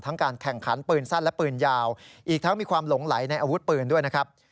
การแข่งขันปืนสั้นและปืนยาวอีกทั้งมีความหลงไหลในอาวุธปืนด้วยนะครับ